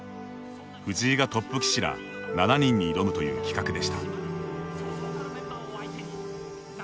藤井がトップ棋士ら７人に挑むという企画でした。